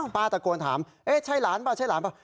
ป้าตะโกนถามเอ๊ะใช่หลานป้าใช่หลานป้า